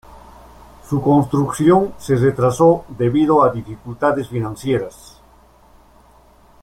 Su construcción se retrasó debido a dificultades financieras.